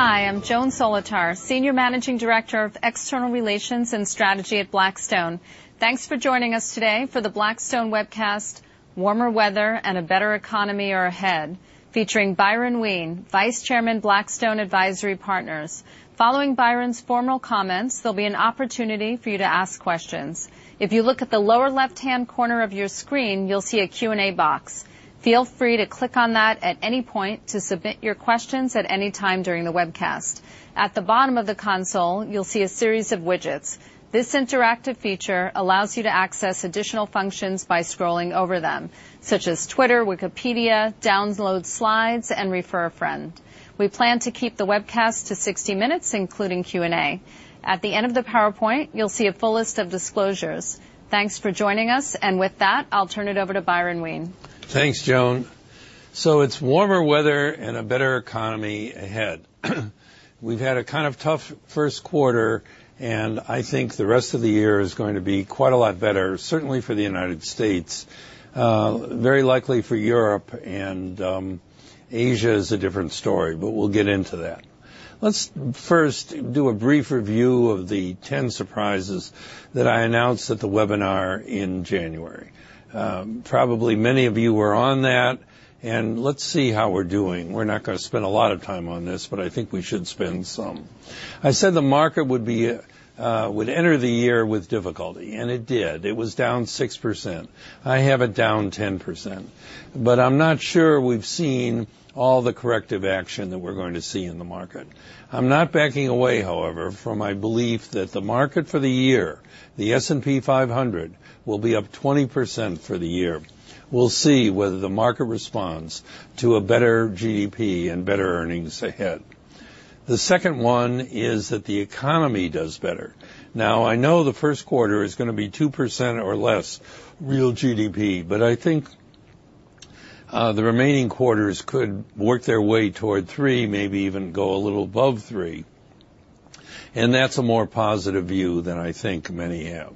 Hi, I'm Joan Solotar, senior managing director of external relations and strategy at Blackstone. Thanks for joining us today for the Blackstone webcast, Warmer Weather and a Better Economy are Ahead, featuring Byron Wien, vice chairman, Blackstone Advisory Partners. Following Byron's formal comments, there'll be an opportunity for you to ask questions. If you look at the lower left-hand corner of your screen, you'll see a Q&A box. Feel free to click on that at any point to submit your questions at any time during the webcast. At the bottom of the console, you'll see a series of widgets. This interactive feature allows you to access additional functions by scrolling over them, such as Twitter, Wikipedia, download slides, and refer a friend. We plan to keep the webcast to 60 minutes, including Q&A. At the end of the PowerPoint, you'll see a full list of disclosures. Thanks for joining us, with that, I'll turn it over to Byron Wien. Thanks, Joan. It's warmer weather and a better economy ahead. We've had a kind of tough first quarter, I think the rest of the year is going to be quite a lot better, certainly for the United States, very likely for Europe, Asia is a different story, we'll get into that. Let's first do a brief review of the 10 surprises that I announced at the webinar in January. Probably many of you were on that, let's see how we're doing. We're not going to spend a lot of time on this, I think we should spend some. I said the market would enter the year with difficulty, it did. It was down 6%. I have it down 10%, I'm not sure we've seen all the corrective action that we're going to see in the market. I'm not backing away, however, from my belief that the market for the year, the S&P 500, will be up 20% for the year. We'll see whether the market responds to a better GDP and better earnings ahead. The second one is that the economy does better. I know the first quarter is going to be 2% or less real GDP, I think the remaining quarters could work their way toward three, maybe even go a little above three, that's a more positive view than I think many have.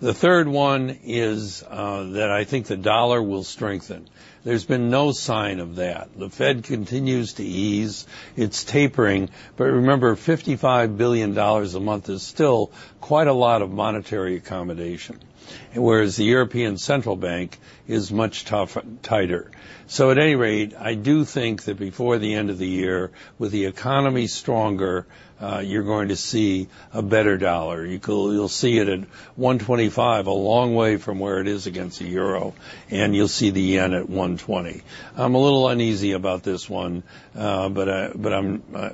The third one is that I think the dollar will strengthen. There's been no sign of that. The Fed continues to ease. It's tapering, remember, $55 billion a month is still quite a lot of monetary accommodation, whereas the European Central Bank is much tighter. At any rate, I do think that before the end of the year, with the economy stronger, you're going to see a better dollar. You'll see it at 125, a long way from where it is against the euro, and you'll see the yen at 120. I'm a little uneasy about this one, but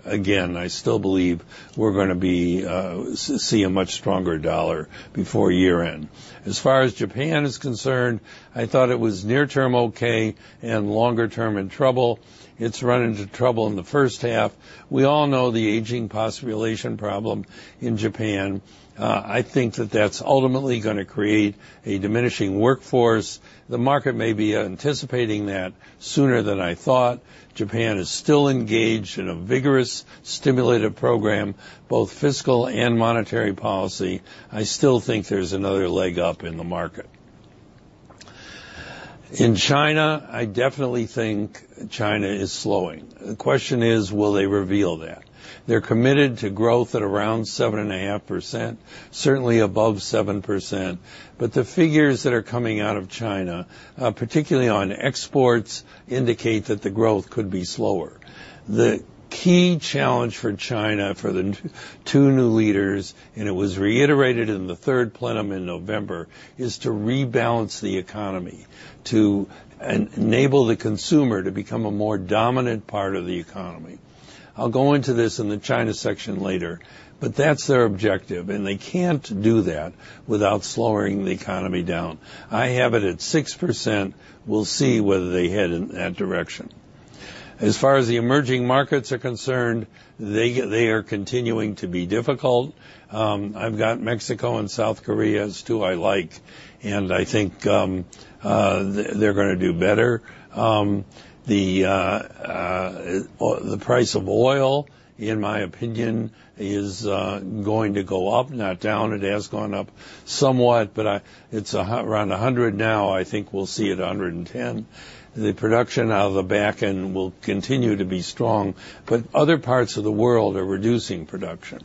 again, I still believe we're going to see a much stronger dollar before year-end. As far as Japan is concerned, I thought it was near-term okay and longer-term in trouble. It's run into trouble in the first half. We all know the aging population problem in Japan. I think that that's ultimately going to create a diminishing workforce. The market may be anticipating that sooner than I thought. Japan is still engaged in a vigorous stimulative program, both fiscal and monetary policy. I still think there's another leg up in the market. In China, I definitely think China is slowing. The question is, will they reveal that? They're committed to growth at around 7.5%, certainly above 7%, but the figures that are coming out of China, particularly on exports, indicate that the growth could be slower. The key challenge for China, for the two new leaders, and it was reiterated in the Third Plenum in November, is to rebalance the economy, to enable the consumer to become a more dominant part of the economy. I'll go into this in the China section later, but that's their objective, and they can't do that without slowing the economy down. I have it at 6%. We'll see whether they head in that direction. As far as the emerging markets are concerned, they are continuing to be difficult. I've got Mexico and South Korea as two I like, and I think they're going to do better. The price of oil, in my opinion, is going to go up, not down. It has gone up somewhat, but it's around 100 now. I think we'll see it 110. The production out of the Bakken will continue to be strong, but other parts of the world are reducing production.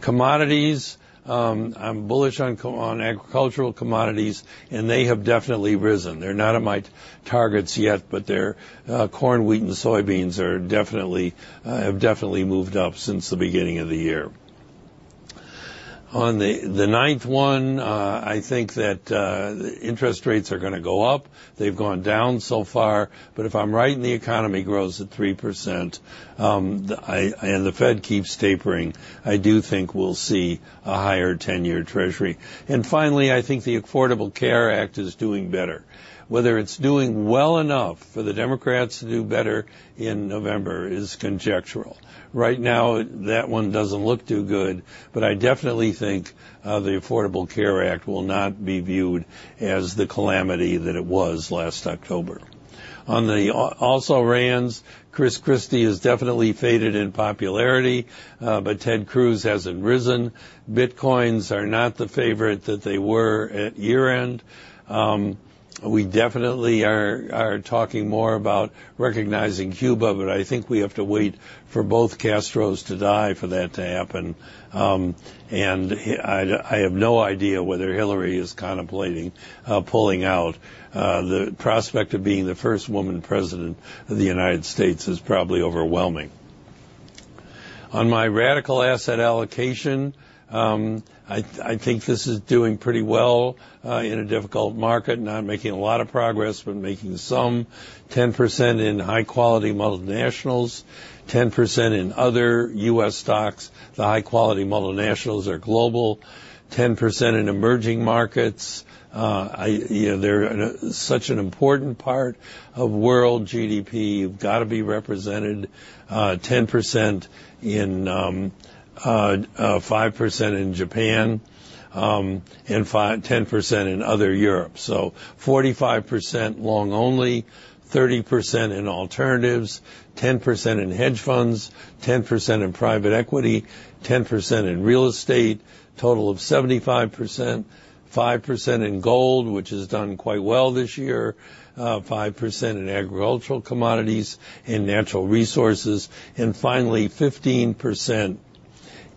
Commodities, I'm bullish on agricultural commodities, and they have definitely risen. They're not at my targets yet, but corn, wheat, and soybeans have definitely moved up since the beginning of the year. On the ninth one, I think that interest rates are going to go up. They've gone down so far, but if I'm right and the economy grows at 3% and the Fed keeps tapering, I do think we'll see a higher 10-year Treasury. Finally, I think the Affordable Care Act is doing better. Whether it's doing well enough for the Democrats to do better in November is conjectural. Right now, that one doesn't look too good, but I definitely think the Affordable Care Act will not be viewed as the calamity that it was last October. On the also-rans, Chris Christie has definitely faded in popularity, but Ted Cruz hasn't risen. Bitcoins are not the favorite that they were at year-end. We definitely are talking more about recognizing Cuba, but I think we have to wait for both Castros to die for that to happen. I have no idea whether Hillary is contemplating pulling out. The prospect of being the first woman president of the United States is probably overwhelming. On my radical asset allocation, I think this is doing pretty well in a difficult market. Not making a lot of progress, but making some. 10% in high-quality multinationals, 10% in other U.S. stocks. The high-quality multinationals are global. 10% in emerging markets. They're such an important part of world GDP, you've got to be represented. 5% in Japan, 10% in other Europe. 45% long only, 30% in alternatives, 10% in hedge funds, 10% in private equity, 10% in real estate, total of 75%. 5% in gold, which has done quite well this year. 5% in agricultural commodities and natural resources. Finally, 15%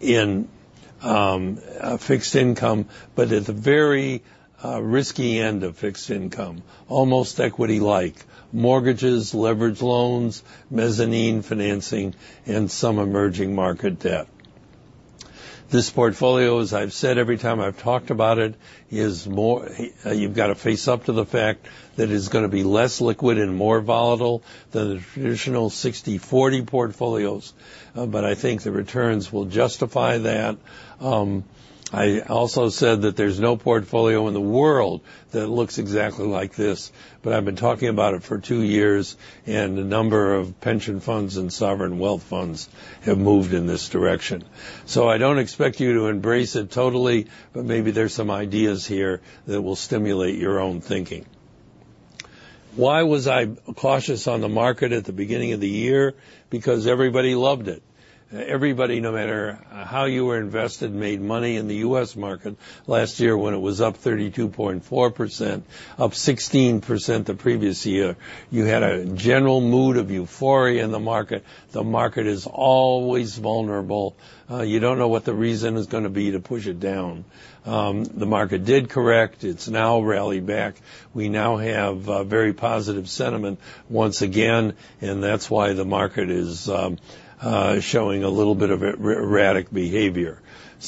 in fixed income, but at the very risky end of fixed income, almost equity-like. Mortgages, leveraged loans, mezzanine financing, and some emerging market debt. This portfolio, as I've said every time I've talked about it, you've got to face up to the fact that it's going to be less liquid and more volatile than the traditional 60/40 portfolios, but I think the returns will justify that. I also said that there's no portfolio in the world that looks exactly like this, I've been talking about it for 2 years, and a number of pension funds and sovereign wealth funds have moved in this direction. I don't expect you to embrace it totally, maybe there's some ideas here that will stimulate your own thinking. Why was I cautious on the market at the beginning of the year? Because everybody loved it. Everybody, no matter how you were invested, made money in the U.S. market last year when it was up 32.4%, up 16% the previous year. You had a general mood of euphoria in the market. The market is always vulnerable. You don't know what the reason is going to be to push it down. The market did correct. It's now rallied back. We now have very positive sentiment once again, That's why the market is showing a little bit of erratic behavior.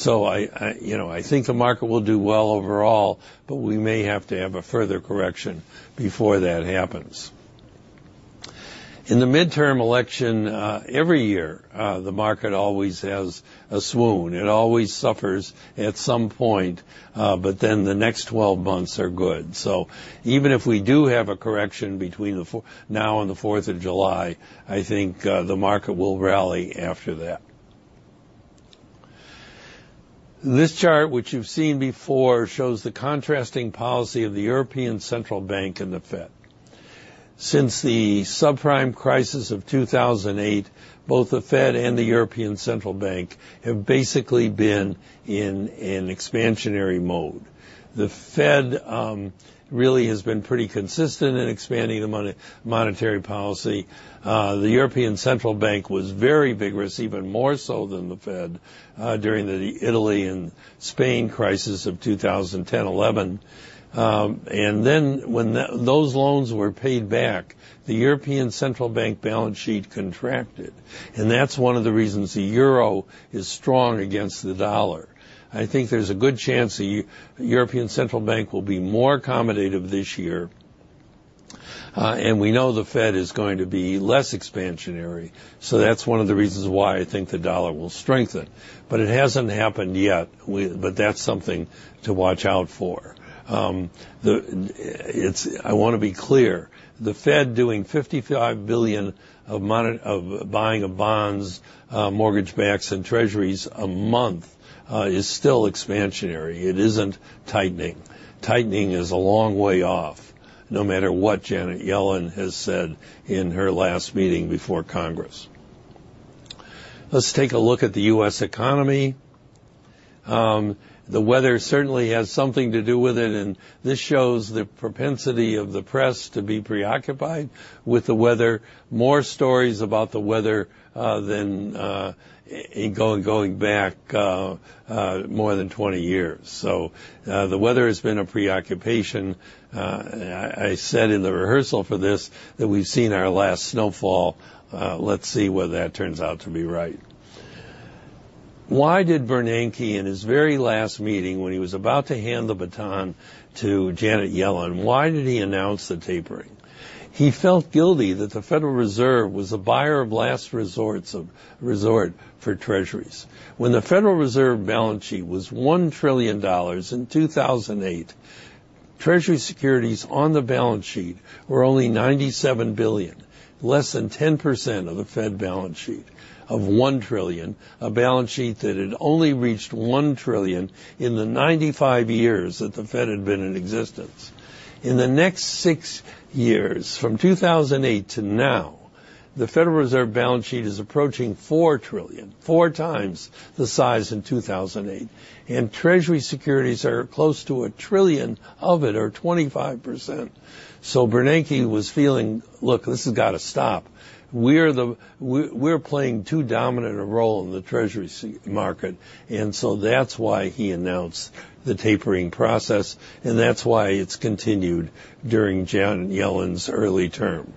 I think the market will do well overall, we may have to have a further correction before that happens. In the midterm election every year, the market always has a swoon. It always suffers at some point, the next 12 months are good. Even if we do have a correction between now and the Fourth of July, I think the market will rally after that. This chart, which you've seen before, shows the contrasting policy of the European Central Bank and the Fed. Since the subprime crisis of 2008, both the Fed and the European Central Bank have basically been in an expansionary mode. The Fed really has been pretty consistent in expanding the monetary policy. The European Central Bank was very vigorous, even more so than the Fed, during the Italy and Spain crisis of 2010-2011. When those loans were paid back, the European Central Bank balance sheet contracted, That's one of the reasons the EUR is strong against the U.S. dollar. I think there's a good chance the European Central Bank will be more accommodative this year, We know the Fed is going to be less expansionary. That's one of the reasons why I think the U.S. dollar will strengthen. It hasn't happened yet, That's something to watch out for. I want to be clear, the Fed doing $55 billion of buying of bonds, mortgage backs, and Treasuries a month is still expansionary. It isn't tightening. Tightening is a long way off, no matter what Janet Yellen has said in her last meeting before Congress. Let's take a look at the U.S. economy. The weather certainly has something to do with it, and this shows the propensity of the press to be preoccupied with the weather. More stories about the weather than going back more than 20 years. The weather has been a preoccupation. I said in the rehearsal for this that we've seen our last snowfall. Let's see whether that turns out to be right. Why did Bernanke, in his very last meeting, when he was about to hand the baton to Janet Yellen, why did he announce the tapering? He felt guilty that the Federal Reserve was a buyer of last resort for treasuries. When the Federal Reserve balance sheet was $1 trillion in 2008, Treasury securities on the balance sheet were only $97 billion, less than 10% of the Fed balance sheet of $1 trillion, a balance sheet that had only reached $1 trillion in the 95 years that the Fed had been in existence. In the next six years, from 2008 to now, the Federal Reserve balance sheet is approaching $4 trillion, four times the size in 2008, and Treasury securities are close to 1 trillion of it, or 25%. Bernanke was feeling, "Look, this has got to stop. We're playing too dominant a role in the Treasury market." That's why he announced the tapering process, and that's why it's continued during Janet Yellen's early term.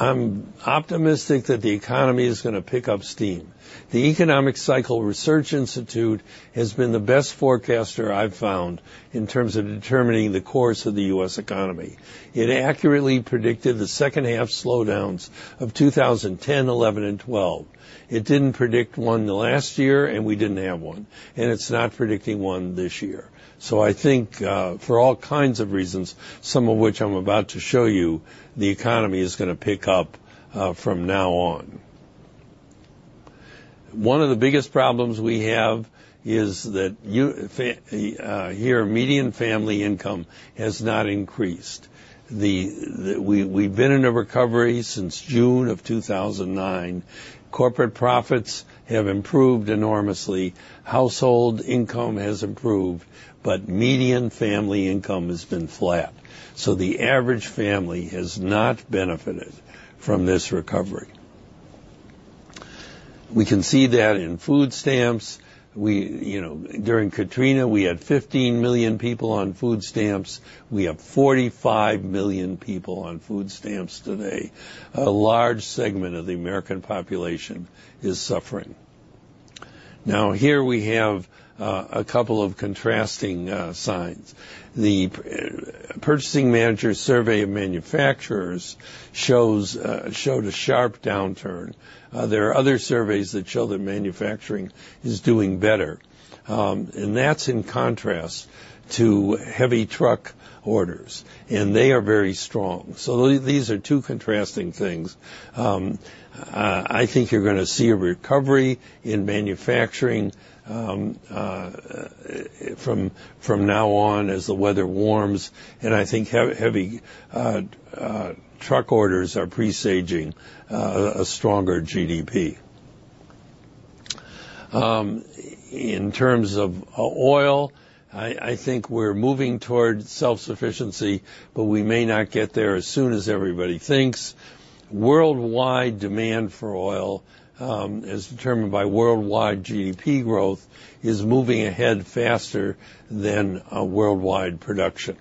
I'm optimistic that the economy is going to pick up steam. The Economic Cycle Research Institute has been the best forecaster I've found in terms of determining the course of the U.S. economy. It accurately predicted the second half slowdowns of 2010, 2011, and 2012. It didn't predict one last year, and we didn't have one, and it's not predicting one this year. I think, for all kinds of reasons, some of which I'm about to show you, the economy is going to pick up from now on. One of the biggest problems we have is that here, median family income has not increased. We've been in a recovery since June of 2009. Corporate profits have improved enormously, household income has improved, but median family income has been flat. The average family has not benefited from this recovery. We can see that in food stamps. During Katrina, we had 15 million people on food stamps. We have 45 million people on food stamps today. A large segment of the American population is suffering. Here we have a couple of contrasting signs. The Purchasing Managers Survey of Manufacturers showed a sharp downturn. There are other surveys that show that manufacturing is doing better, and that's in contrast to heavy truck orders, and they are very strong. These are two contrasting things. I think you're going to see a recovery in manufacturing from now on as the weather warms, and I think heavy truck orders are presaging a stronger GDP. In terms of oil, I think we're moving towards self-sufficiency, but we may not get there as soon as everybody thinks. Worldwide demand for oil, as determined by worldwide GDP growth, is moving ahead faster than worldwide production.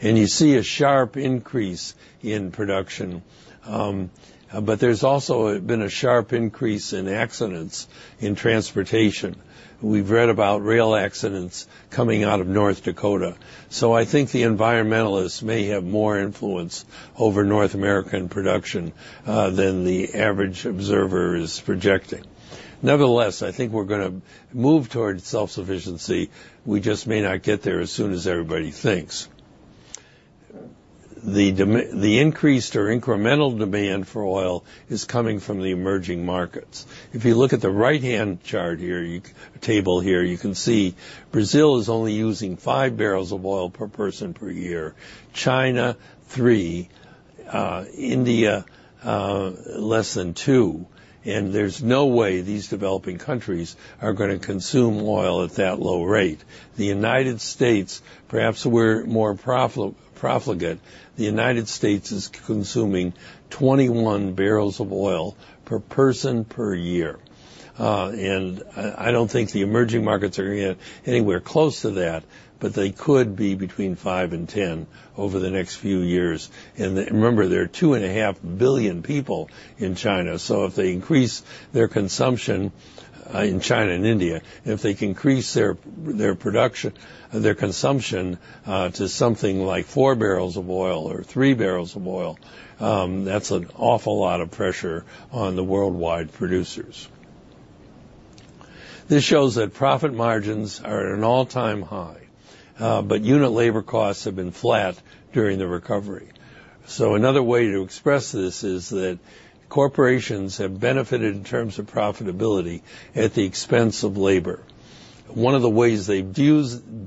You see a sharp increase in production, but there's also been a sharp increase in accidents in transportation. We've read about rail accidents coming out of North Dakota. I think the environmentalists may have more influence over North American production than the average observer is projecting. Nevertheless, I think we're going to move towards self-sufficiency. We just may not get there as soon as everybody thinks. The increased or incremental demand for oil is coming from the emerging markets. If you look at the right-hand table here, you can see Brazil is only using five barrels of oil per person per year, China three, India less than two, and there's no way these developing countries are going to consume oil at that low rate. The United States, perhaps we're more profligate. The United States is consuming 21 barrels of oil per person per year, I don't think the emerging markets are going anywhere close to that, but they could be between five and 10 over the next few years. Remember, there are two and a half billion people in China, if they increase their consumption in China and India, and if they can increase their consumption to something like four barrels of oil or three barrels of oil, that's an awful lot of pressure on the worldwide producers. This shows that profit margins are at an all-time high, but unit labor costs have been flat during the recovery. Another way to express this is that corporations have benefited in terms of profitability at the expense of labor. One of the ways they've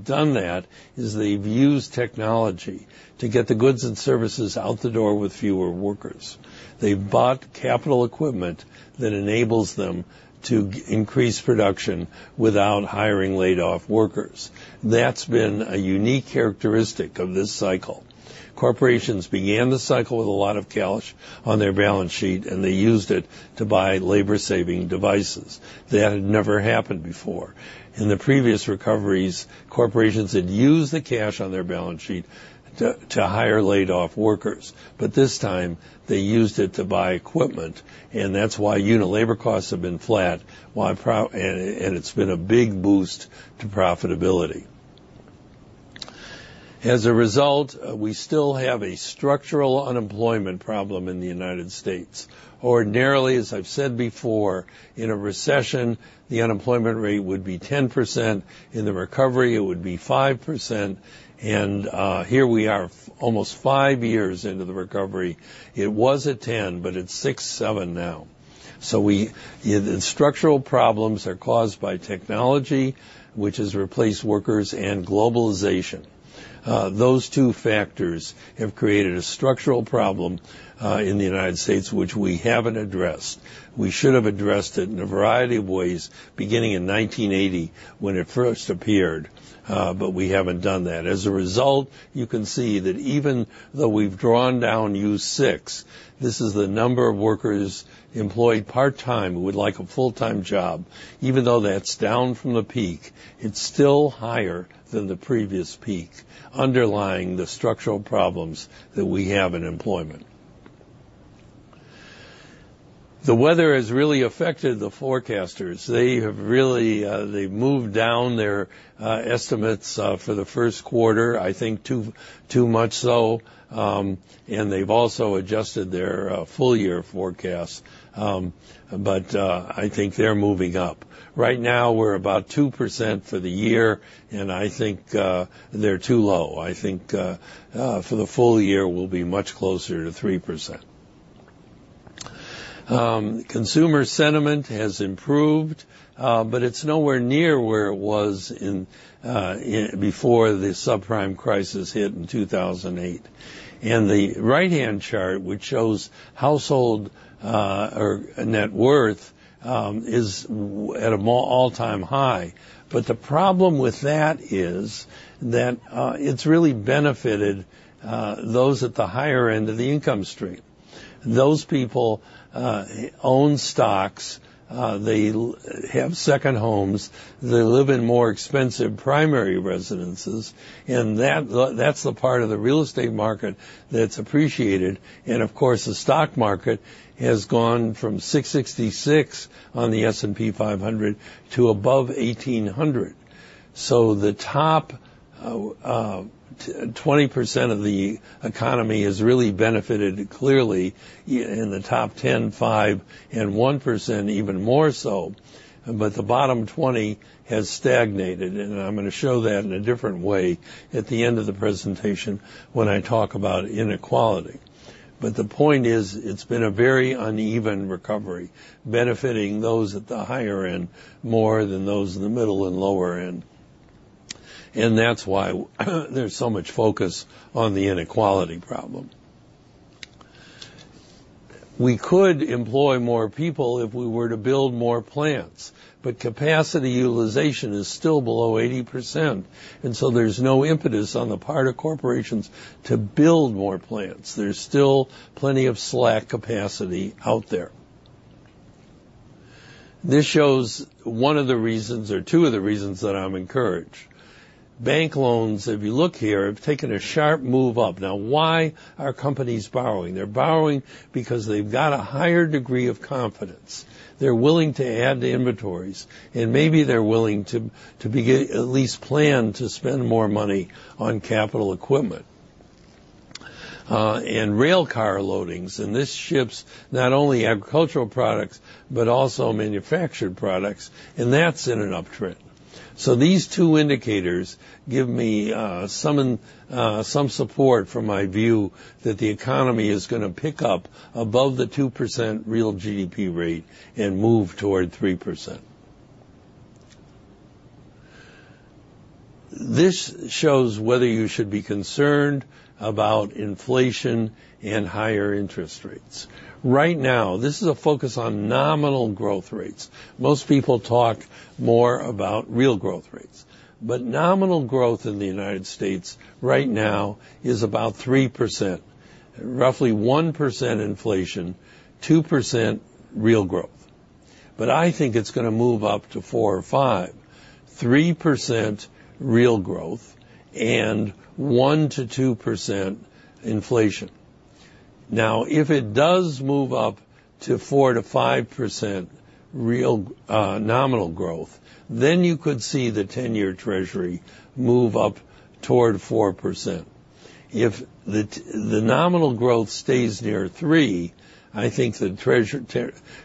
done that is they've used technology to get the goods and services out the door with fewer workers. They've bought capital equipment that enables them to increase production without hiring laid-off workers. That's been a unique characteristic of this cycle. Corporations began the cycle with a lot of cash on their balance sheet, they used it to buy labor-saving devices. That had never happened before. In the previous recoveries, corporations had used the cash on their balance sheet to hire laid-off workers. This time they used it to buy equipment, that's why unit labor costs have been flat, it's been a big boost to profitability. As a result, we still have a structural unemployment problem in the United States. Ordinarily, as I've said before, in a recession, the unemployment rate would be 10%, in the recovery, it would be 5%, here we are almost five years into the recovery. It was at 10%, it's 6%, 7% now. The structural problems are caused by technology, which has replaced workers, and globalization. Those two factors have created a structural problem in the United States, which we haven't addressed. We should have addressed it in a variety of ways, beginning in 1980, when it first appeared, we haven't done that. As a result, you can see that even though we've drawn down U-6, this is the number of workers employed part-time who would like a full-time job. Even though that's down from the peak, it's still higher than the previous peak, underlying the structural problems that we have in employment. The weather has really affected the forecasters. They've moved down their estimates for the first quarter, I think too much so, and they've also adjusted their full year forecast. I think they're moving up. Right now, we're about 2% for the year. I think they're too low. I think for the full year, we'll be much closer to 3%. Consumer sentiment has improved. It's nowhere near where it was before the subprime crisis hit in 2008. The right-hand chart, which shows household net worth, is at an all-time high. The problem with that is that it's really benefited those at the higher end of the income stream. Those people own stocks, they have second homes, they live in more expensive primary residences. That's the part of the real estate market that's appreciated. Of course, the stock market has gone from 666 on the S&P 500 to above 1,800. The top 20% of the economy has really benefited clearly. The top 10, five, and 1% even more so. The bottom 20 has stagnated. I'm going to show that in a different way at the end of the presentation when I talk about inequality. The point is, it's been a very uneven recovery, benefiting those at the higher end more than those in the middle and lower end. That's why there's so much focus on the inequality problem. We could employ more people if we were to build more plants. Capacity utilization is still below 80%. There's no impetus on the part of corporations to build more plants. There's still plenty of slack capacity out there. This shows one of the reasons, or two of the reasons that I'm encouraged. Bank loans, if you look here, have taken a sharp move up. Why are companies borrowing? They're borrowing because they've got a higher degree of confidence. They're willing to add to inventories. Maybe they're willing to at least plan to spend more money on capital equipment. Rail car loadings, this ships not only agricultural products but also manufactured products. That's in an uptrend. These two indicators give me some support for my view that the economy is going to pick up above the 2% real GDP rate and move toward 3%. This shows whether you should be concerned about inflation and higher interest rates. Right now, this is a focus on nominal growth rates. Most people talk more about real growth rates. Nominal growth in the United States right now is about 3%, roughly 1% inflation, 2% real growth. I think it's going to move up to four or five, 3% real growth and 1%-2% inflation. If it does move up to 4%-5% nominal growth, you could see the 10-year treasury move up toward 4%. If the nominal growth stays near 3%, I think the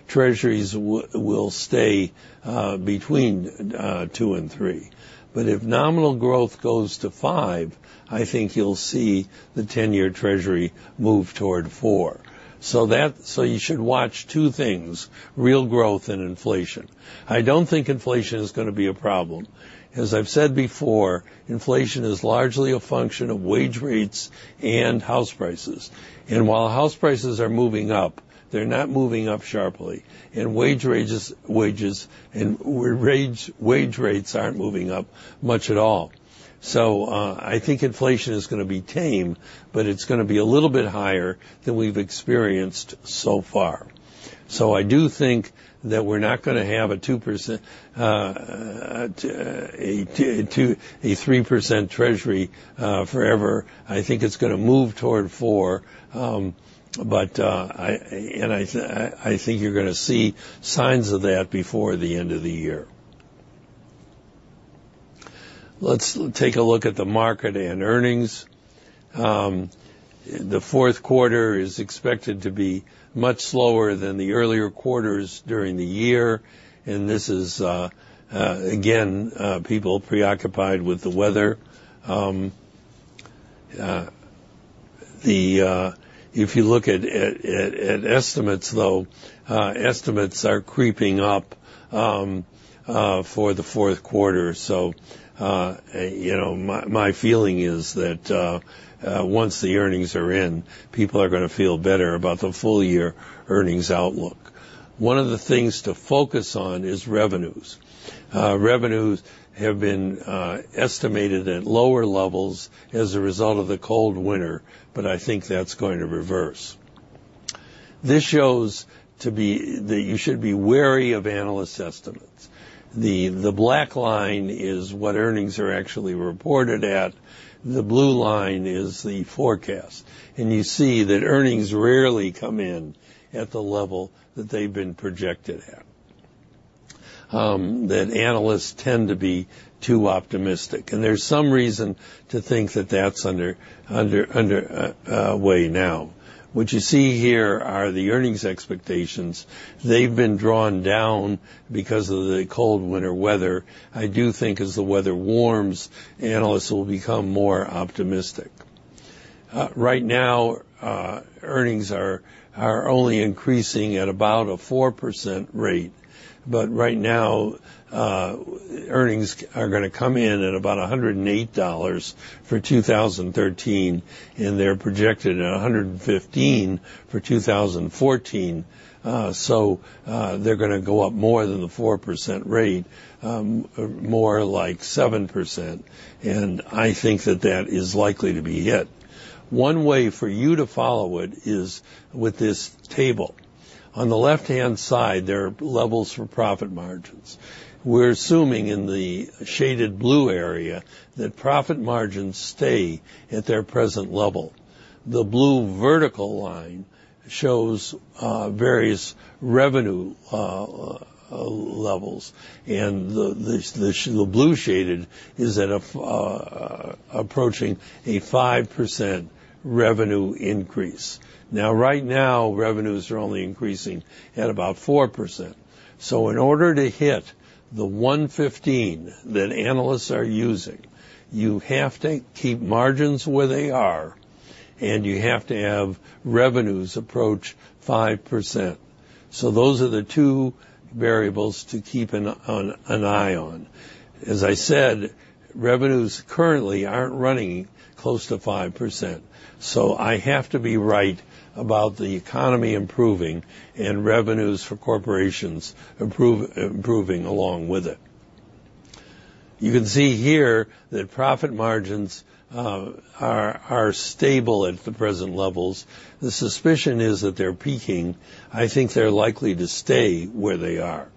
treasuries will stay between 2% and 3%. If nominal growth goes to 5%, I think you'll see the 10-year treasury move toward 4%. You should watch two things, real growth and inflation. I don't think inflation is going to be a problem. As I've said before, inflation is largely a function of wage rates and house prices. While house prices are moving up, they're not moving up sharply. Wage rates aren't moving up much at all. I think inflation is going to be tame, but it's going to be a little bit higher than we've experienced so far. I do think that we're not going to have a 3% treasury forever. I think it's going to move toward 4%, and I think you're going to see signs of that before the end of the year. Let's take a look at the market and earnings. The fourth quarter is expected to be much slower than the earlier quarters during the year, and this is, again, people preoccupied with the weather. If you look at estimates, though, estimates are creeping up for the fourth quarter. My feeling is that once the earnings are in, people are going to feel better about the full year earnings outlook. One of the things to focus on is revenues. Revenues have been estimated at lower levels as a result of the cold winter, but I think that's going to reverse. This shows that you should be wary of analyst estimates. The black line is what earnings are actually reported at, the blue line is the forecast, and you see that earnings rarely come in at the level that they've been projected at, that analysts tend to be too optimistic. There's some reason to think that that's underway now. What you see here are the earnings expectations. They've been drawn down because of the cold winter weather. I do think as the weather warms, analysts will become more optimistic. Right now, earnings are only increasing at about a 4% rate. Right now, earnings are going to come in at about $108 for 2013, and they're projected at $115 for 2014. They're going to go up more than the 4% rate, more like 7%. I think that that is likely to be hit. One way for you to follow it is with this table. On the left-hand side, there are levels for profit margins. We're assuming in the shaded blue area that profit margins stay at their present level. The blue vertical line shows various revenue levels, and the blue shaded is approaching a 5% revenue increase. Now, right now, revenues are only increasing at about 4%. In order to hit the $115 that analysts are using, you have to keep margins where they are, and you have to have revenues approach 5%. Those are the two variables to keep an eye on. As I said, revenues currently aren't running close to 5%. I have to be right about the economy improving and revenues for corporations improving along with it. You can see here that profit margins are stable at the present levels. The suspicion is that they're peaking. I think they're likely to stay where they are.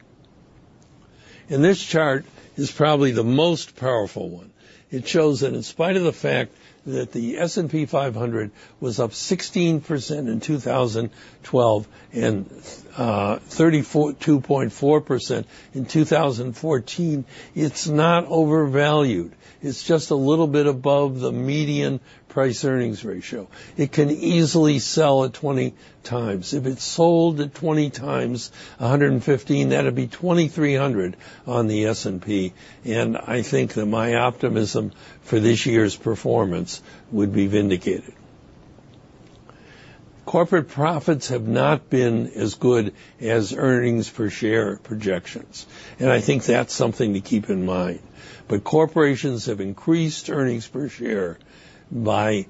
This chart is probably the most powerful one. It shows that in spite of the fact that the S&P 500 was up 16% in 2012 and 32.4% in 2014, it's not overvalued. It's just a little bit above the median price-earnings ratio. It can easily sell at 20 times. If it's sold at 20 times $115, that'll be 2,300 on the S&P, and I think that my optimism for this year's performance would be vindicated. Corporate profits have not been as good as earnings per share projections. I think that's something to keep in mind. Corporations have increased earnings per share through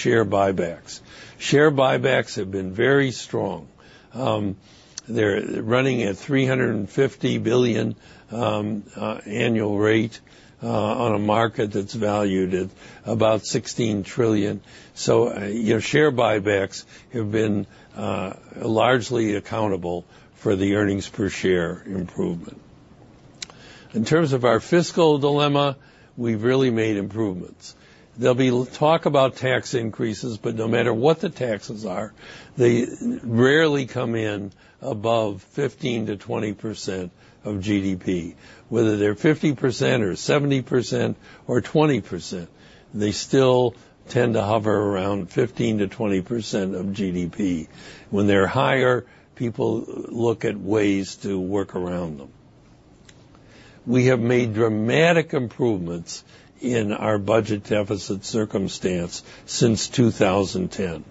share buybacks. Share buybacks have been very strong. They're running at $350 billion annual rate on a market that's valued at about $16 trillion. Your share buybacks have been largely accountable for the earnings per share improvement. In terms of our fiscal dilemma, we've really made improvements. There'll be talk about tax increases, no matter what the taxes are, they rarely come in above 15%-20% of GDP. Whether they're 50% or 70% or 20%, they still tend to hover around 15%-20% of GDP. When they're higher, people look at ways to work around them. We have made dramatic improvements in our budget deficit circumstance since 2010.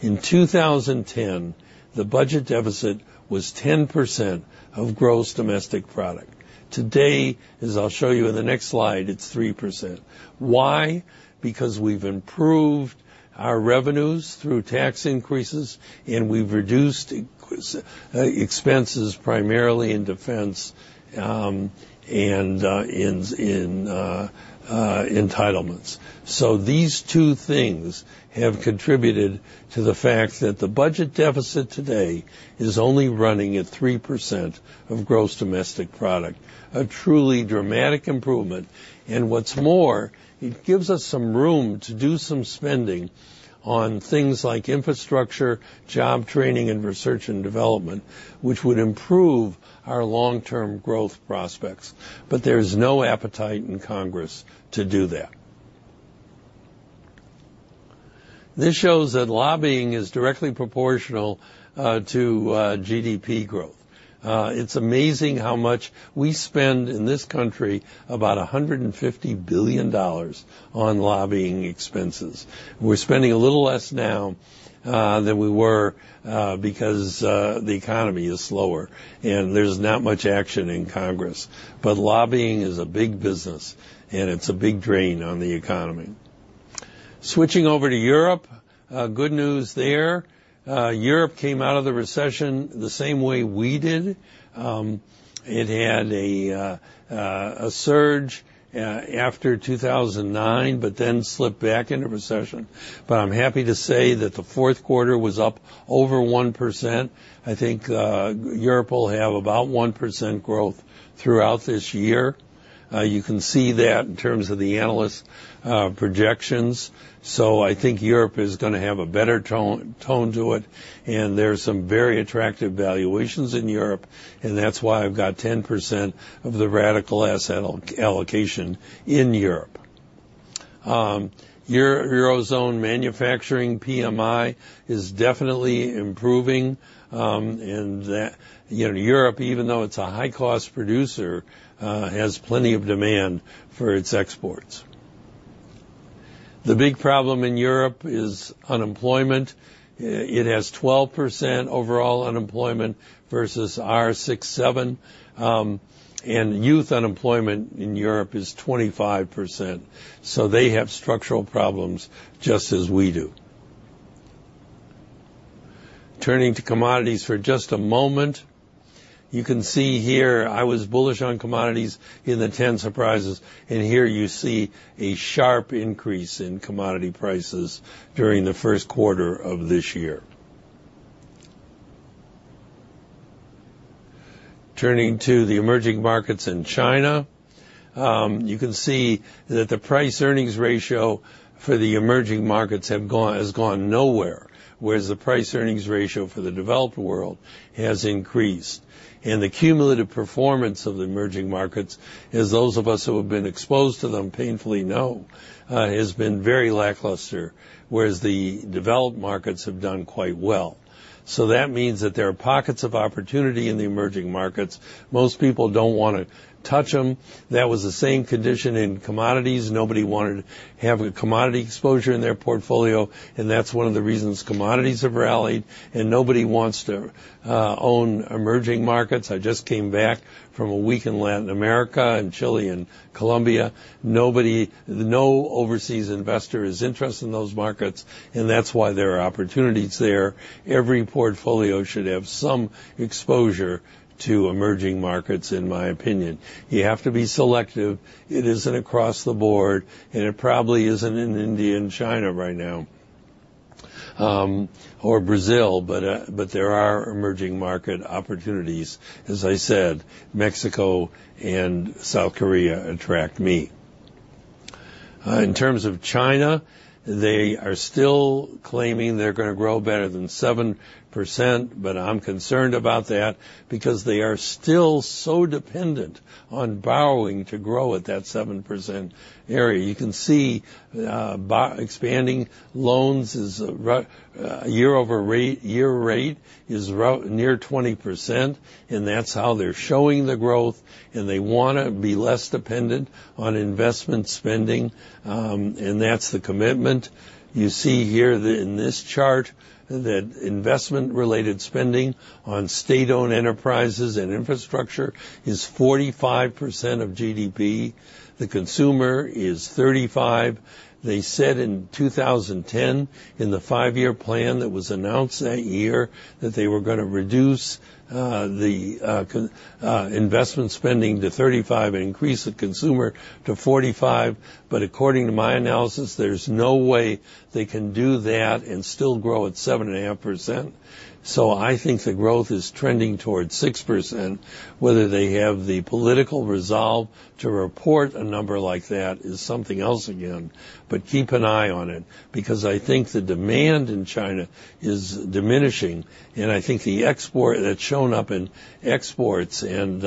In 2010, the budget deficit was 10% of gross domestic product. Today, as I'll show you in the next slide, it's 3%. Why? Because we've improved our revenues through tax increases. We've reduced expenses primarily in defense and in entitlements. These two things have contributed to the fact that the budget deficit today is only running at 3% of gross domestic product, a truly dramatic improvement. What's more, it gives us some room to do some spending on things like infrastructure, job training, and research and development, which would improve our long-term growth prospects. There's no appetite in Congress to do that. This shows that lobbying is directly proportional to GDP growth. It's amazing how much we spend in this country, about $150 billion on lobbying expenses. We're spending a little less now than we were because the economy is slower and there's not much action in Congress. Lobbying is a big business. It's a big drain on the economy. Switching over to Europe, good news there. Europe came out of the recession the same way we did. It had a surge after 2009, then slipped back into recession. I'm happy to say that the fourth quarter was up over 1%. I think Europe will have about 1% growth throughout this year. You can see that in terms of the analysts' projections. I think Europe is going to have a better tone to it. There's some very attractive valuations in Europe, and that's why I've got 10% of the radical asset allocation in Europe. Eurozone manufacturing PMI is definitely improving. Europe, even though it's a high-cost producer, has plenty of demand for its exports. The big problem in Europe is unemployment. It has 12% overall unemployment versus our 6.7%, youth unemployment in Europe is 25%. They have structural problems, just as we do. Turning to commodities for just a moment, you can see here I was bullish on commodities in the 10 surprises. Here you see a sharp increase in commodity prices during the first quarter of this year. Turning to the emerging markets in China, you can see that the price-earnings ratio for the emerging markets has gone nowhere, whereas the price-earnings ratio for the developed world has increased. The cumulative performance of the emerging markets, as those of us who have been exposed to them painfully know, has been very lackluster, whereas the developed markets have done quite well. That means that there are pockets of opportunity in the emerging markets. Most people don't want to touch them. That was the same condition in commodities. Nobody wanted to have a commodity exposure in their portfolio, and that's one of the reasons commodities have rallied, and nobody wants to own emerging markets. I just came back from a week in Latin America, in Chile and Colombia. No overseas investor is interested in those markets, and that's why there are opportunities there. Every portfolio should have some exposure to emerging markets, in my opinion. You have to be selective. It isn't across the board, and it probably isn't in India and China right now, or Brazil, but there are emerging market opportunities. As I said, Mexico and South Korea attract me. In terms of China, they are still claiming they're going to grow better than 7%, but I'm concerned about that because they are still so dependent on borrowing to grow at that 7% area. You can see expanding loans, year-over-year rate is near 20%, and that's how they're showing the growth, and they want to be less dependent on investment spending, and that's the commitment. You see here in this chart that investment-related spending on state-owned enterprises and infrastructure is 45% of GDP. The consumer is 35%. They said in 2010, in the five-year plan that was announced that year, that they were going to reduce the investment spending to 35% and increase the consumer to 45%. According to my analysis, there's no way they can do that and still grow at 7.5%. I think the growth is trending towards 6%. Whether they have the political resolve to report a number like that is something else again. Keep an eye on it, because I think the demand in China is diminishing, and I think that's shown up in exports, and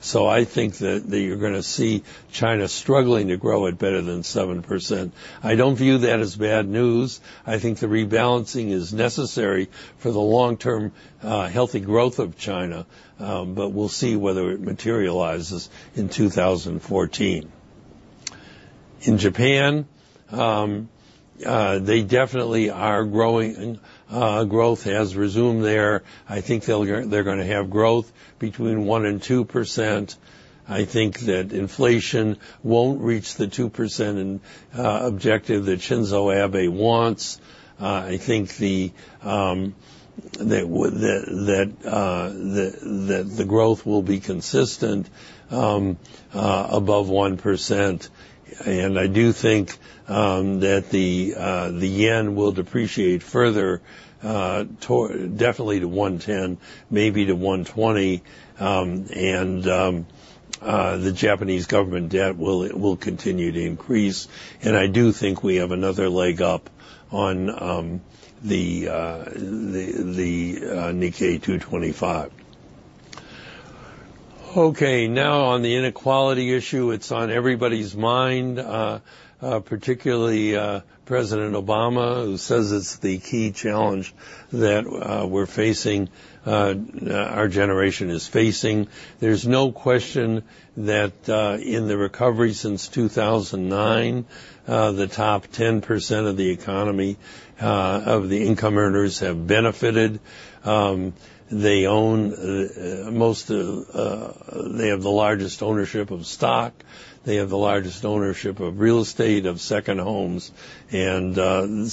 so I think that you're going to see China struggling to grow at better than 7%. I don't view that as bad news. I think the rebalancing is necessary for the long-term healthy growth of China, but we'll see whether it materializes in 2014. In Japan, they definitely are growing. Growth has resumed there. I think they're going to have growth between 1% and 2%. I think that inflation won't reach the 2% objective that Shinzo Abe wants. I think that the growth will be consistent above 1%, and I do think that the yen will depreciate further, definitely to 110, maybe to 120, and the Japanese government debt will continue to increase. I do think we have another leg up on the Nikkei 225. Okay, now on the inequality issue. It's on everybody's mind, particularly President Obama, who says it's the key challenge that our generation is facing. There's no question that in the recovery since 2009, the top 10% of the income earners have benefited. They have the largest ownership of stock. They have the largest ownership of real estate, of second homes. The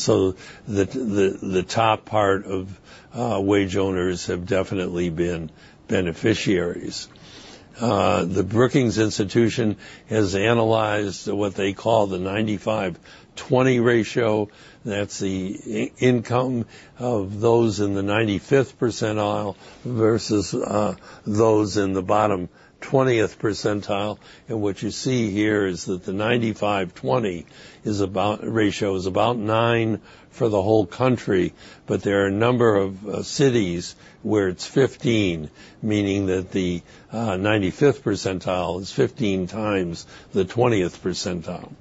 top part of wage earners have definitely been beneficiaries. The Brookings Institution has analyzed what they call the 95/20 ratio. That's the income of those in the 95th percentile versus those in the bottom 20th percentile. What you see here is that the 95/20 ratio is about nine for the whole country, but there are a number of cities where it's 15, meaning that the 95th percentile is 15 times the 20th percentile.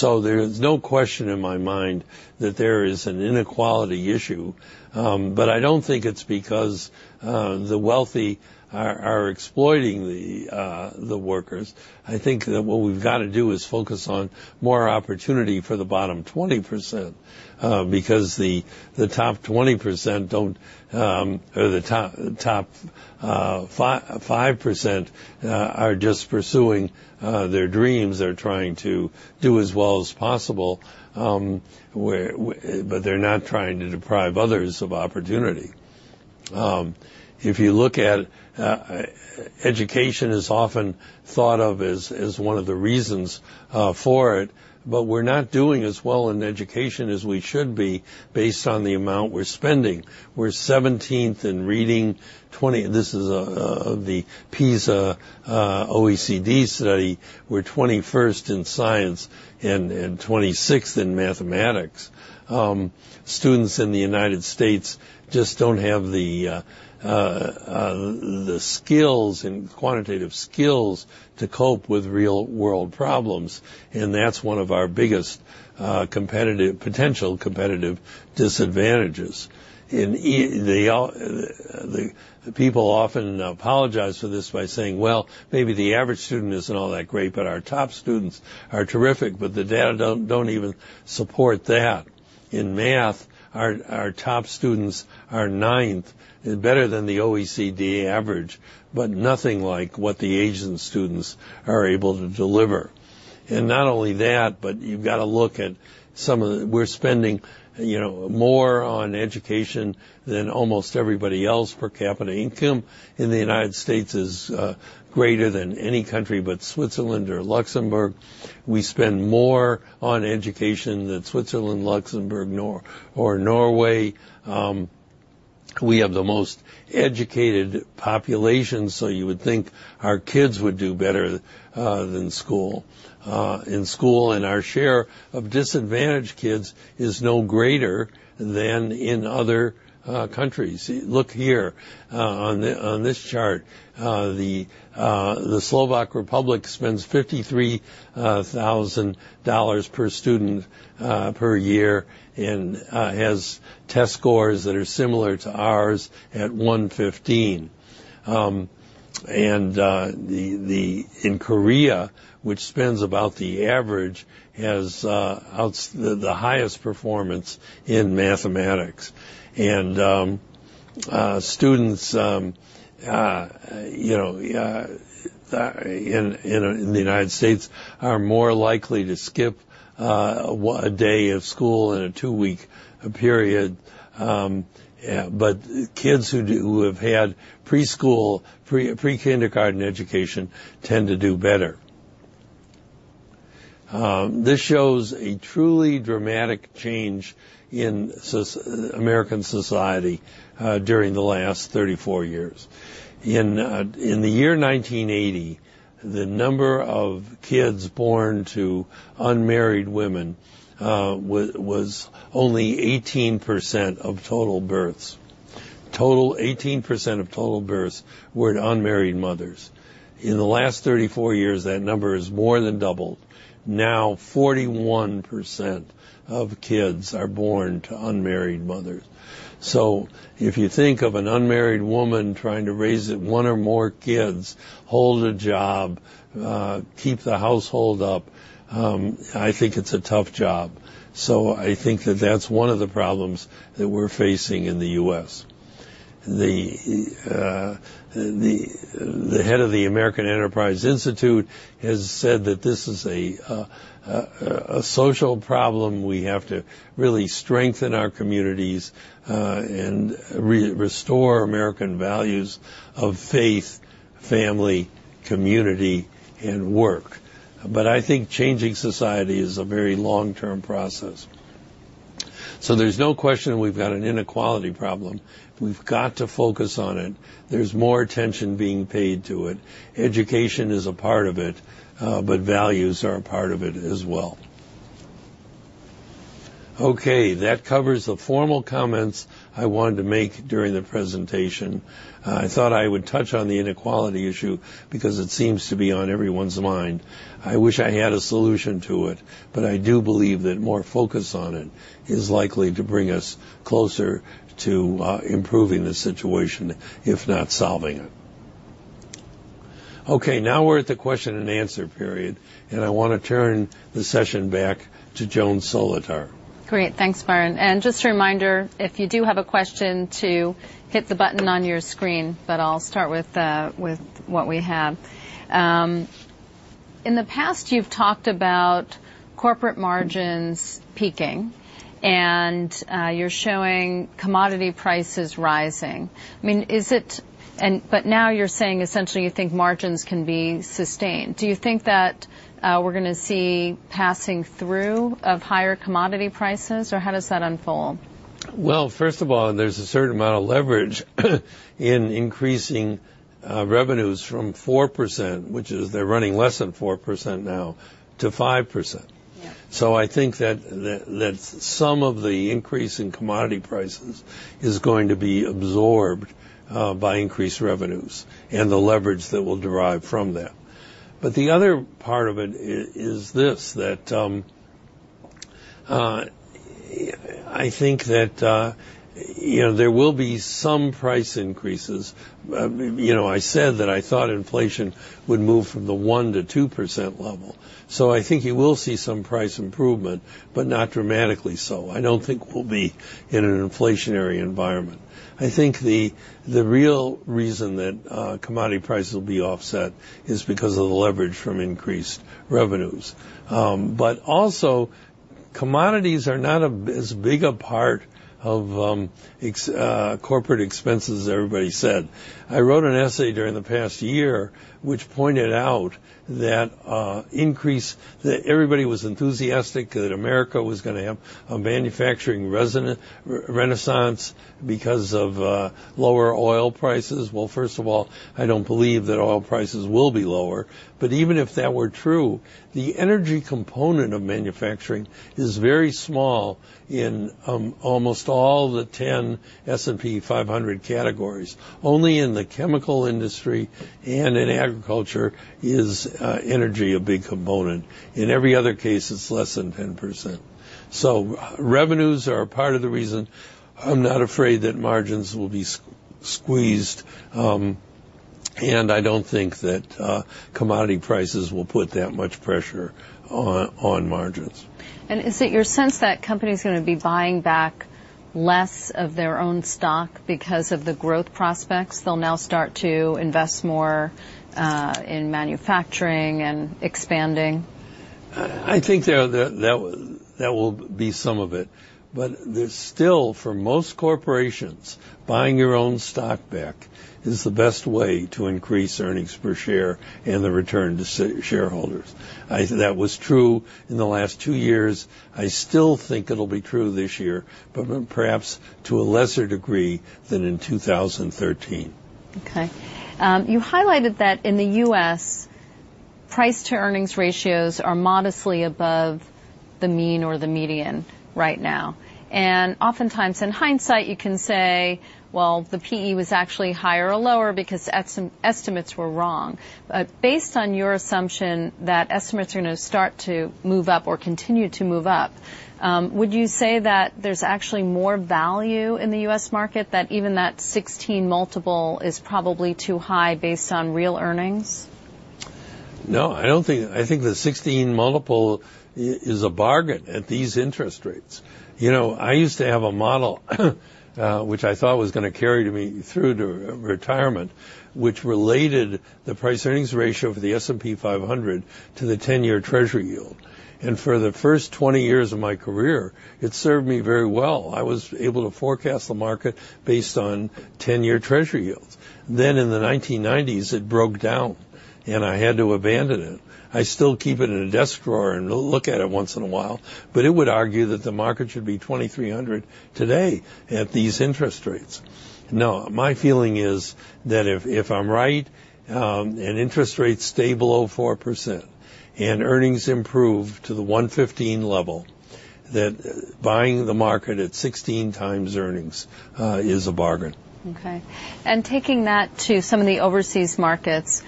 There's no question in my mind that there is an inequality issue, but I don't think it's because the wealthy are exploiting the workers. I think that what we've got to do is focus on more opportunity for the bottom 20%, because the top 20% don't. The top 5% are just pursuing their dreams. They're trying to do as well as possible, but they're not trying to deprive others of opportunity. If you look at education is often thought of as one of the reasons for it, but we're not doing as well in education as we should be based on the amount we're spending. We're 17th in reading. This is of the PISA OECD study. We're 21st in science and 26th in mathematics. Students in the United States just don't have the skills and quantitative skills to cope with real-world problems, that's one of our biggest potential competitive disadvantages. People often apologize for this by saying, "Well, maybe the average student isn't all that great, but our top students are terrific." The data don't even support that. In math, our top students are ninth, better than the OECD average, but nothing like what the Asian students are able to deliver. Not only that, but you've got to look at we're spending more on education than almost everybody else. Per capita income in the United States is greater than any country but Switzerland or Luxembourg. We spend more on education than Switzerland, Luxembourg, or Norway. We have the most educated population, so you would think our kids would do better in school, and our share of disadvantaged kids is no greater than in other countries. Look here on this chart. The Slovak Republic spends $53,000 per student per year and has test scores that are similar to ours at 115. In Korea, which spends about the average, has the highest performance in mathematics. Students in the United States are more likely to skip a day of school in a two-week period, but kids who have had preschool, pre-kindergarten education tend to do better. This shows a truly dramatic change in American society during the last 34 years. In the year 1980, the number of kids born to unmarried women was only 18% of total births. Eighteen percent of total births were to unmarried mothers. In the last 34 years, that number has more than doubled. Now 41% of kids are born to unmarried mothers. If you think of an unmarried woman trying to raise one or more kids, hold a job, keep the household up, I think it's a tough job. I think that that's one of the problems that we're facing in the U.S. The head of the American Enterprise Institute has said that this is a social problem. We have to really strengthen our communities and restore American values of faith, family, community, and work. I think changing society is a very long-term process. There's no question we've got an inequality problem. We've got to focus on it. There's more attention being paid to it. Education is a part of it, but values are a part of it as well. That covers the formal comments I wanted to make during the presentation. I thought I would touch on the inequality issue because it seems to be on everyone's mind. I wish I had a solution to it, but I do believe that more focus on it is likely to bring us closer to improving the situation, if not solving it. Now we're at the question and answer period, and I want to turn the session back to Joan Solotar. Great. Thanks, Byron. Just a reminder, if you do have a question to hit the button on your screen, I'll start with what we have. In the past, you've talked about corporate margins peaking, and you're showing commodity prices rising. Now you're saying essentially you think margins can be sustained. Do you think that we're going to see passing through of higher commodity prices, or how does that unfold? First of all, there's a certain amount of leverage in increasing revenues from 4%, which is they're running less than 4% now, to 5%. Yeah. I think that some of the increase in commodity prices is going to be absorbed by increased revenues and the leverage that will derive from that. The other part of it is this, that I think that there will be some price increases. I said that I thought inflation would move from the 1% to 2% level. I think you will see some price improvement, not dramatically so. I don't think we'll be in an inflationary environment. I think the real reason that commodity prices will be offset is because of the leverage from increased revenues. Also, commodities are not as big a part of corporate expense as everybody said. I wrote an essay during the past year which pointed out that everybody was enthusiastic that America was going to have a manufacturing renaissance because of lower oil prices. Well, first of all, I don't believe that oil prices will be lower. Even if that were true, the energy component of manufacturing is very small in almost all the 10 S&P 500 categories. Only in the chemical industry and in agriculture is energy a big component. In every other case, it's less than 10%. Revenues are a part of the reason. I'm not afraid that margins will be squeezed, and I don't think that commodity prices will put that much pressure on margins. Is it your sense that companies are going to be buying back less of their own stock because of the growth prospects? They'll now start to invest more in manufacturing and expanding. I think that will be some of it. Still, for most corporations, buying your own stock back is the best way to increase earnings per share and the return to shareholders. That was true in the last two years. I still think it'll be true this year, but perhaps to a lesser degree than in 2013. Okay. You highlighted that in the U.S., price-to-earnings ratios are modestly above the mean or the median right now. Oftentimes, in hindsight, you can say, well, the P/E was actually higher or lower because estimates were wrong. Based on your assumption that estimates are going to start to move up or continue to move up, would you say that there's actually more value in the U.S. market, that even that 16 multiple is probably too high based on real earnings? I think the 16 multiple is a bargain at these interest rates. I used to have a model, which I thought was going to carry me through to retirement, which related the price earnings ratio for the S&P 500 to the 10-year Treasury yield. For the first 20 years of my career, it served me very well. I was able to forecast the market based on 10-year Treasury yields. In the 1990s, it broke down, and I had to abandon it. I still keep it in a desk drawer and look at it once in a while, but it would argue that the market should be 2,300 today at these interest rates. My feeling is that if I'm right, and interest rates stay below 4%, and earnings improve to the 115 level, that buying the market at 16 times earnings is a bargain. Okay. Taking that to some of the overseas markets,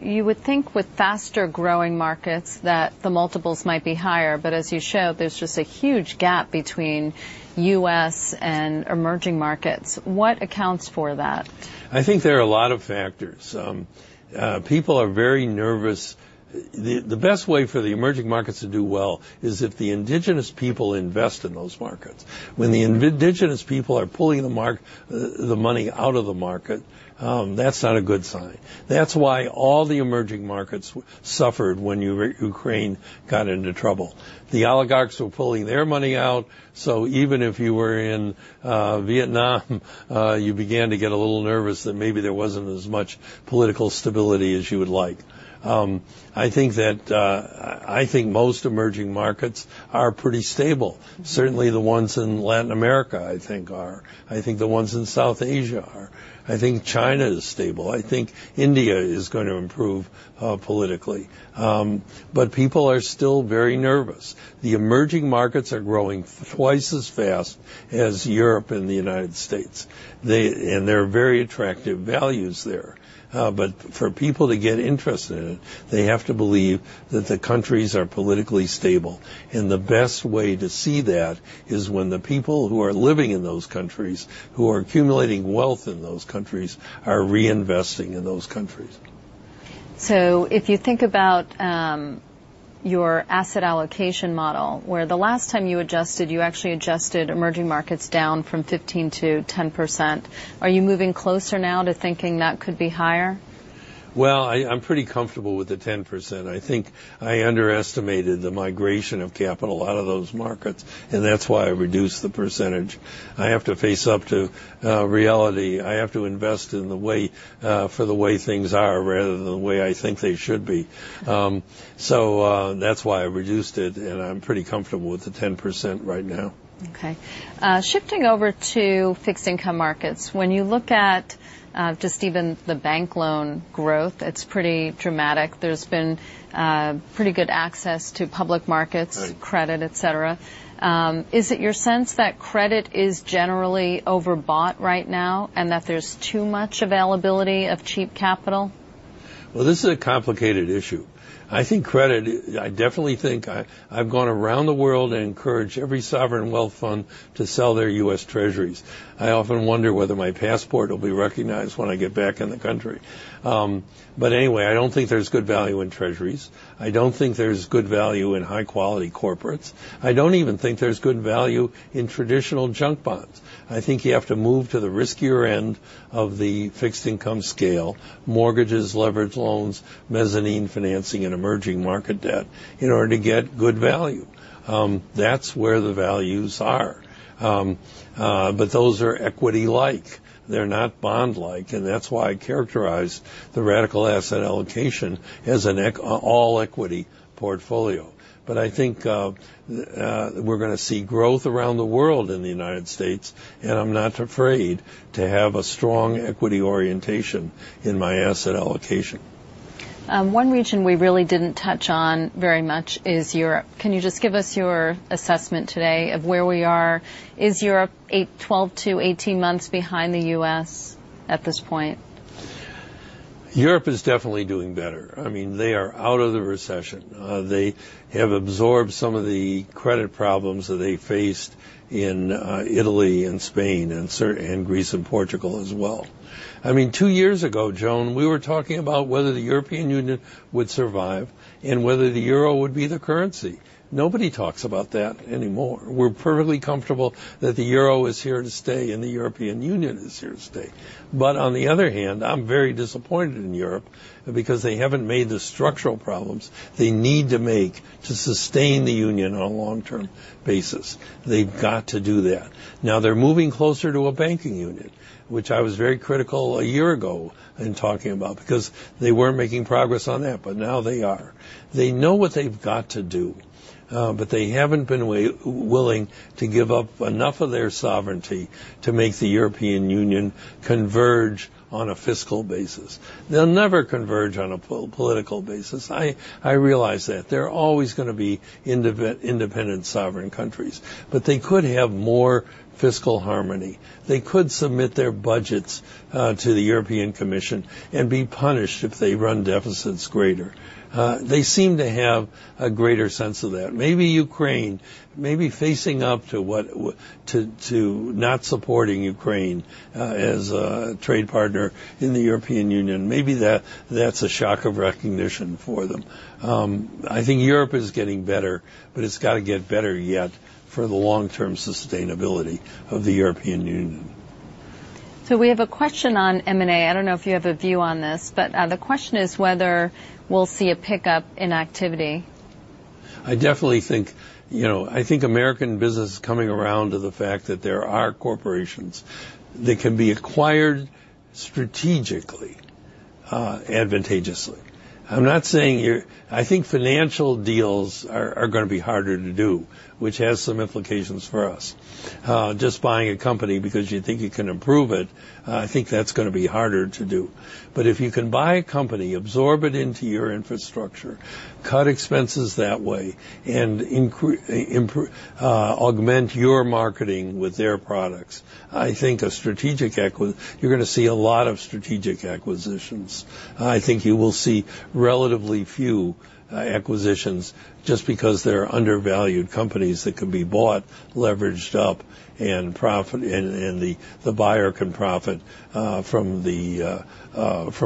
you would think with faster-growing markets that the multiples might be higher. As you show, there's just a huge gap between U.S. and emerging markets. What accounts for that? I think there are a lot of factors. People are very nervous. The best way for the emerging markets to do well is if the indigenous people invest in those markets. When the indigenous people are pulling the money out of the market, that's not a good sign. That's why all the emerging markets suffered when Ukraine got into trouble. The oligarchs were pulling their money out, so even if you were in Vietnam, you began to get a little nervous that maybe there wasn't as much political stability as you would like. I think most emerging markets are pretty stable. Certainly, the ones in Latin America, I think are. I think the ones in South Asia are. I think China is stable. I think India is going to improve politically. People are still very nervous. The emerging markets are growing twice as fast as Europe and the United States. There are very attractive values there. For people to get interested in it, they have to believe that the countries are politically stable. The best way to see that is when the people who are living in those countries, who are accumulating wealth in those countries, are reinvesting in those countries. If you think about your asset allocation model, where the last time you adjusted, you actually adjusted emerging markets down from 15% to 10%, are you moving closer now to thinking that could be higher? Well, I'm pretty comfortable with the 10%. I think I underestimated the migration of capital out of those markets, and that's why I reduced the percentage. I have to face up to reality. I have to invest in the way for the way things are rather than the way I think they should be. That's why I reduced it, and I'm pretty comfortable with the 10% right now. Okay. Shifting over to fixed-income markets, when you look at just even the bank loan growth, it's pretty dramatic. There's been pretty good access to public markets. Right Credit, et cetera. Is it your sense that credit is generally overbought right now, and that there's too much availability of cheap capital? This is a complicated issue. I've gone around the world and encouraged every sovereign wealth fund to sell their U.S. Treasuries. I often wonder whether my passport will be recognized when I get back in the country. Anyway, I don't think there's good value in Treasuries. I don't think there's good value in high-quality corporates. I don't even think there's good value in traditional junk bonds. I think you have to move to the riskier end of the fixed income scale, mortgages, leveraged loans, mezzanine financing, and emerging market debt in order to get good value. That's where the values are. Those are equity-like, they're not bond-like, and that's why I characterize the radical asset allocation as an all-equity portfolio. I think we're going to see growth around the world in the U.S., and I'm not afraid to have a strong equity orientation in my asset allocation. One region we really didn't touch on very much is Europe. Can you just give us your assessment today of where we are? Is Europe 12 to 18 months behind the U.S. at this point? Europe is definitely doing better. They are out of the recession. They have absorbed some of the credit problems that they faced in Italy and Spain and Greece and Portugal as well. Two years ago, Joan, we were talking about whether the European Union would survive and whether the euro would be the currency. Nobody talks about that anymore. We're perfectly comfortable that the euro is here to stay and the European Union is here to stay. On the other hand, I'm very disappointed in Europe because they haven't made the structural problems they need to make to sustain the Union on a long-term basis. They've got to do that. Now they're moving closer to a banking unit, which I was very critical a year ago in talking about because they weren't making progress on that, but now they are. They know what they've got to do. They haven't been willing to give up enough of their sovereignty to make the European Union converge on a fiscal basis. They'll never converge on a political basis. I realize that. They're always going to be independent sovereign countries, but they could have more fiscal harmony. They could submit their budgets to the European Commission and be punished if they run deficits greater. They seem to have a greater sense of that. Maybe facing up to not supporting Ukraine as a trade partner in the European Union, maybe that's a shock of recognition for them. I think Europe is getting better, but it's got to get better yet for the long-term sustainability of the European Union. We have a question on M&A. I don't know if you have a view on this, but the question is whether we'll see a pickup in activity. I think American business is coming around to the fact that there are corporations that can be acquired strategically, advantageously. I think financial deals are going to be harder to do, which has some implications for us. Just buying a company because you think you can improve it, I think that's going to be harder to do. If you can buy a company, absorb it into your infrastructure, cut expenses that way, and augment your marketing with their products, you're going to see a lot of strategic acquisitions. I think you will see relatively few acquisitions just because they're undervalued companies that could be bought, leveraged up, and the buyer can profit from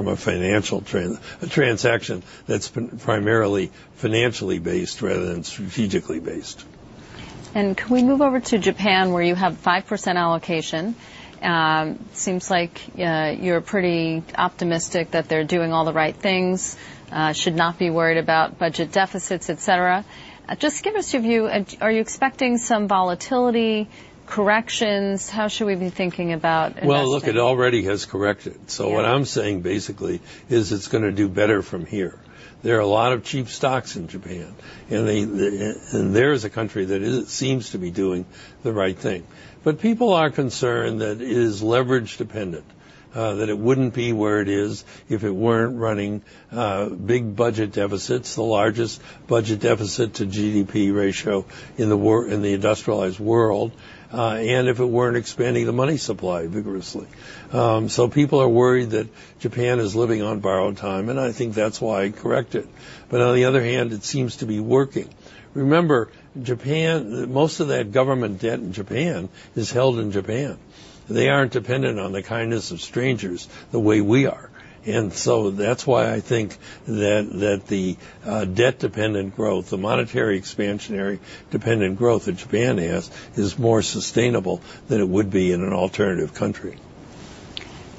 a financial transaction that's been primarily financially based rather than strategically based. Can we move over to Japan where you have 5% allocation? Seems like you're pretty optimistic that they're doing all the right things, should not be worried about budget deficits, et cetera. Just give us your view. Are you expecting some volatility, corrections? How should we be thinking about investing? Well, look, it already has corrected. Yeah. What I'm saying basically is it's going to do better from here. There are a lot of cheap stocks in Japan, there is a country that seems to be doing the right thing. People are concerned that it is leverage dependent, that it wouldn't be where it is if it weren't running big budget deficits, the largest budget deficit to GDP ratio in the industrialized world, if it weren't expanding the money supply vigorously. People are worried that Japan is living on borrowed time, I think that's why it corrected. On the other hand, it seems to be working. Remember, most of that government debt in Japan is held in Japan. They aren't dependent on the kindness of strangers the way we are. That's why I think that the debt-dependent growth, the monetary expansionary dependent growth that Japan has, is more sustainable than it would be in an alternative country.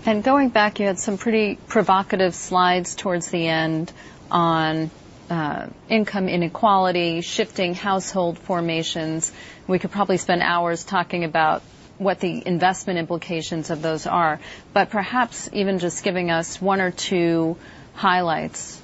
Going back, you had some pretty provocative slides towards the end on income inequality, shifting household formations. We could probably spend hours talking about what the investment implications of those are, perhaps even just giving us one or two highlights.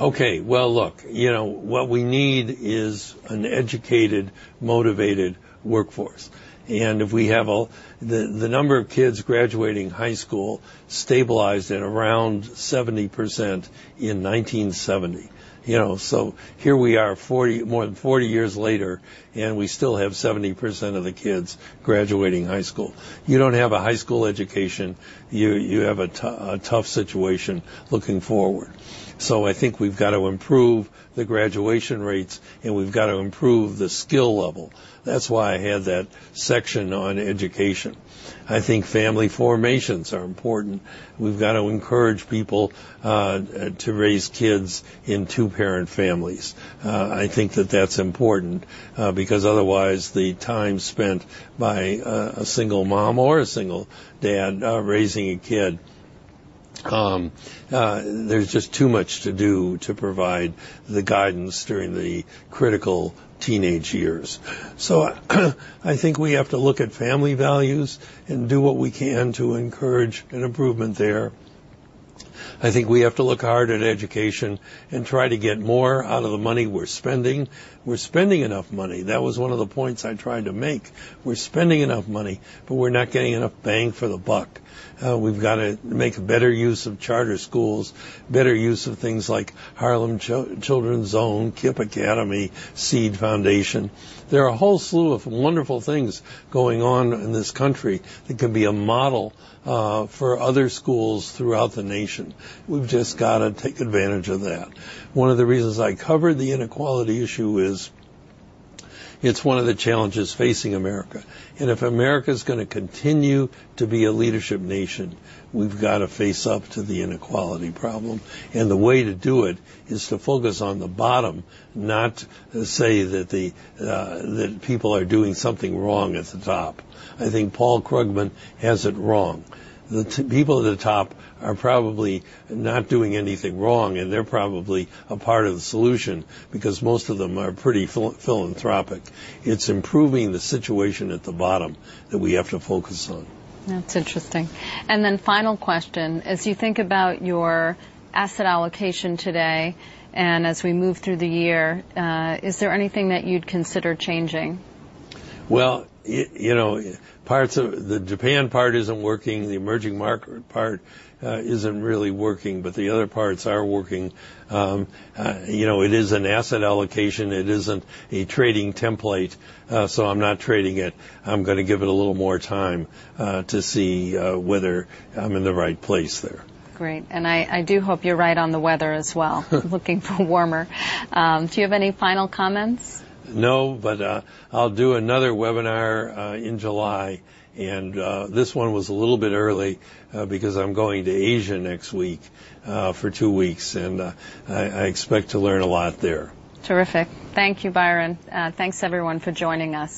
Okay. Well, look, what we need is an educated, motivated workforce. The number of kids graduating high school stabilized at around 70% in 1970. Here we are more than 40 years later, and we still have 70% of the kids graduating high school. You don't have a high school education, you have a tough situation looking forward. I think we've got to improve the graduation rates, and we've got to improve the skill level. That's why I had that section on education. I think family formations are important. We've got to encourage people to raise kids in two-parent families. I think that that's important because otherwise the time spent by a single mom or a single dad raising a kid, there's just too much to do to provide the guidance during the critical teenage years. I think we have to look at family values and do what we can to encourage an improvement there. I think we have to look hard at education and try to get more out of the money we're spending. We're spending enough money. That was one of the points I tried to make. We're spending enough money, but we're not getting enough bang for the buck. We've got to make better use of charter schools, better use of things like Harlem Children's Zone, KIPP Academy, The SEED Foundation. There are a whole slew of wonderful things going on in this country that can be a model for other schools throughout the nation. We've just got to take advantage of that. One of the reasons I covered the inequality issue is it's one of the challenges facing America. If America's going to continue to be a leadership nation, we've got to face up to the inequality problem. The way to do it is to focus on the bottom, not say that people are doing something wrong at the top. I think Paul Krugman has it wrong. The people at the top are probably not doing anything wrong, and they're probably a part of the solution because most of them are pretty philanthropic. It's improving the situation at the bottom that we have to focus on. That's interesting. Final question, as you think about your asset allocation today, and as we move through the year, is there anything that you'd consider changing? The Japan part isn't working, the emerging market part isn't really working, but the other parts are working. It is an asset allocation. It isn't a trading template, so I'm not trading it. I'm going to give it a little more time to see whether I'm in the right place there. Great. I do hope you're right on the weather as well. Looking for warmer. Do you have any final comments? No, but I'll do another webinar in July. This one was a little bit early because I'm going to Asia next week for two weeks, and I expect to learn a lot there. Terrific. Thank you, Byron. Thanks everyone for joining us.